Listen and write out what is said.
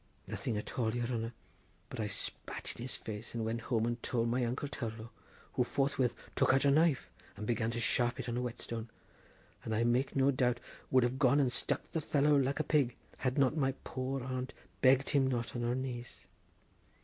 "Nothing at all, yere hanner; but I spat in his face and went home and told my uncle Tourlough, who forthwith took out a knife and began to sharp it on a whetstone, and I make no doubt would have gone and stuck the fellow like a pig, had not my poor aunt begged him not on her knees.